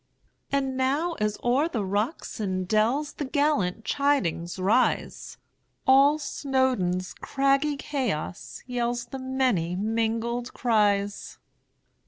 And now, as o'er the rocks and dellsThe gallant chidings rise, All Snowdon's craggy chaos yellsThe many mingled cries!